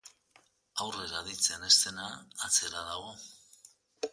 Aurrera aditzen ez dena, atzera dago.